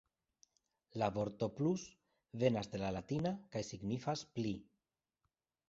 La vorto 'plus' venas de la latina kaj signifas 'pli'.